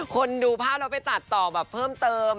คนดูภาพเราไปตัดต่อเพิ่มเติม